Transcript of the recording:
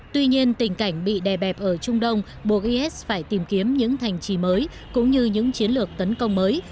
tuy nhiên tình cảnh bị đè bẹp ở trung đông buộc is phải tìm kiếm những thành trì mới cũng như những chiến lược tấn công mới